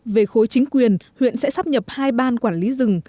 về khối chính quyền huyện sẽ sắp nhập hai ban quản lý rừng